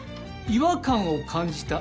違和感を感じた？